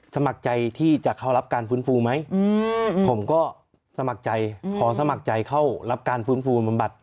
สมัครใจที่จะเข้ารับการฟื้นฟูไหมผมก็สมัครใจขอสมัครใจเข้ารับการฟื้นฟูบำบัด